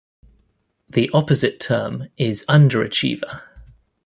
The opposite term is underachiever.